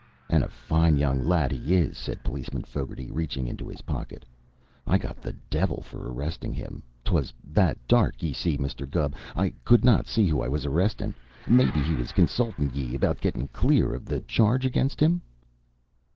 "An' a fine young lad he is!" said Policeman Fogarty, reaching into his pocket. "I got th' divvil for arristin' him. 'Twas that dark, ye see, Misther Gubb, I cud not see who I was arristin'. Maybe he was consultin' ye about gettin' clear iv th' charge ag'inst him?"